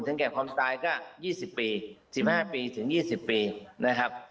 แก่ความตายก็๒๐ปี๑๕ปีถึง๒๐ปีนะครับ